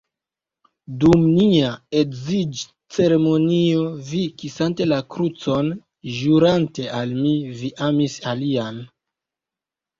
Dum nia edziĝceremonio vi, kisante la krucon, ĵurante al mi, vi amis alian.